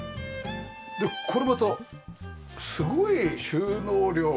これまたすごい収納量が。